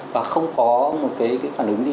và không có một cái phản ứng gì